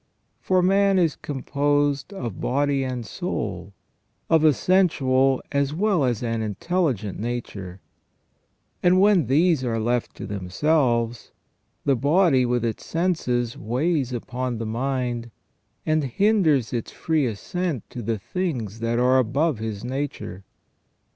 For man is composed of body and soul, of a sensual as well as an intelligent nature ; and when these are left to themselves, the body with its senses weighs upon the mind, and hinders its free ascent to the things that are above his nature.